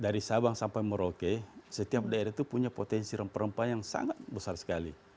dari sabang sampai merauke setiap daerah itu punya potensi rempah rempah yang sangat besar sekali